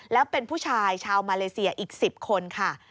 แล้วเป็นผู้ชายชาวมาเลเซียอีก๑๐คนค่ะ